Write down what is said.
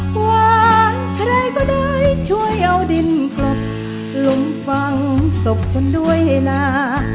หวานใครก็ได้ช่วยเอาดินกลบลงฟังศพฉันด้วยนะ